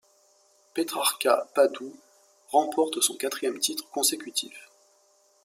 Petrarca Padoue remporte son quatrième titre consécutif.